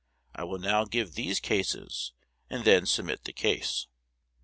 I will now give these cases, and then submit the case.'"